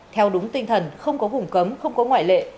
theo đúng tinh thần không có vùng cấm không có ngoại lệ